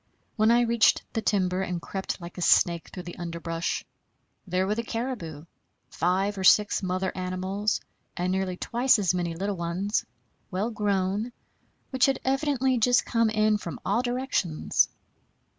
When I reached the timber and crept like a snake through the underbrush, there were the caribou, five or six mother animals, and nearly twice as many little ones, well grown, which had evidently just come in from all directions.